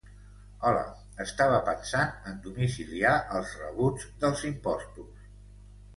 Hola, estava pensant en domiciliar els rebuts dels impostos.